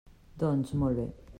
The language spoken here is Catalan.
Doncs, molt bé.